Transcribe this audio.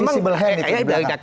ada invisible hand itu di belakang